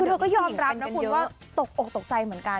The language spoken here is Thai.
คือเธอก็ยอมรับนะคุณว่าตกอกตกใจเหมือนกัน